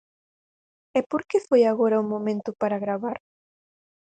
E por que foi agora o momento para gravar?